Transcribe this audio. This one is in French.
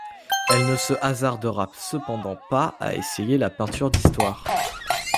Elle ne se hasardera cependant pas à essayer la peinture d'histoire.